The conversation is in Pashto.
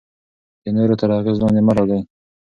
د نورو تر اغیز لاندې مه راځئ.